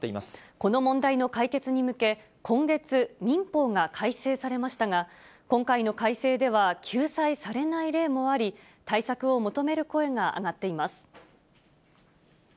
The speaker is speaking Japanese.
この問題の解決に向け、今月、民法が改正されましたが、今回の改正では救済されない例もあり、対策を求める声が上がっています。